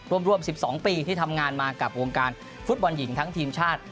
รวม๑๒ปีที่ทำงานมากับวงการฟุตบอลหญิงทั้งทีมชาติ